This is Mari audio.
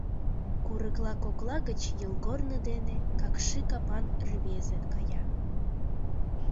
Курыкла кокла гыч йолгорно дене какши капан рвезе кая.